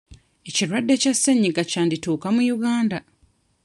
Ekirwadde kya ssenyiga kyandituuka mu Uganda